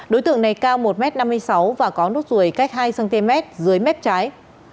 đối tượng này cao một m năm mươi sáu và có nốt ruồi cách hai cm dưới mép trái